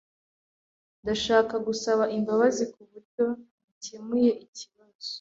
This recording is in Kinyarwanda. Ndashaka gusaba imbabazi kuburyo nakemuye ikibazo.